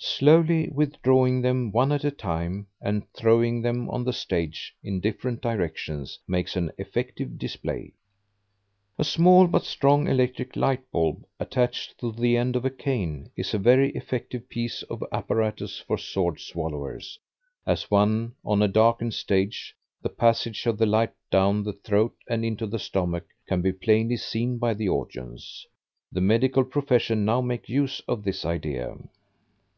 Slowly withdrawing them one at a time, and throwing them on the stage in different directions, makes an effective display. A small, but strong, electric light bulb attached to the end of a cane, is a very effective piece of apparatus for sword swallowers, as, on a darkened stage, the passage of the light down the throat and into the stomach can be plainly seen by the audience. The medical profession now make use of this idea.